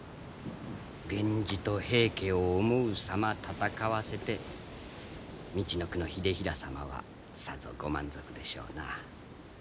源氏と平家を思うさま戦わせてみちのくの秀衡様はさぞご満足でしょうな。